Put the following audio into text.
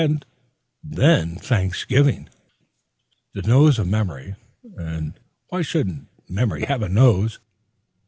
And then Thanksgiving! The nose of Memory why shouldn't Memory have a nose?